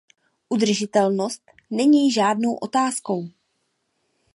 Udržitelnost není žádnou otázkou.